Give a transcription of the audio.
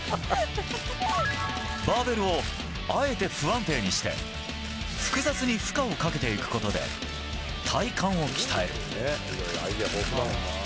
バーベルをあえて不安定にして複雑に負荷をかけていくことで体幹を鍛える。